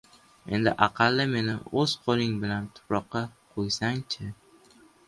Endi aqalli meni o‘z qo‘ling bilan tuproqqa qo‘ysang- chi!